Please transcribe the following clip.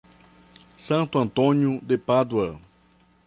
Santo Antônio de Pádua